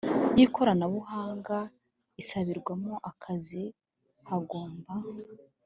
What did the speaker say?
y ikoranabuhanga isabirwamo akazi hagomba